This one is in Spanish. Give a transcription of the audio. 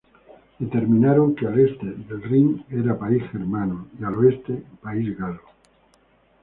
Determinaron que al este del Rin era país germano y, al oeste, país galo.